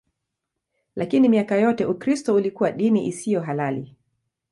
Lakini miaka yote Ukristo ulikuwa dini isiyo halali.